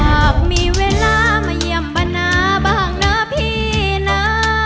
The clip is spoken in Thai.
หากมีเวลามาเยี่ยมบนะบ้างเนอะพี่นะ